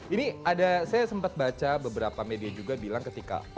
ini ada saya sempat baca beberapa media juga bilang ketika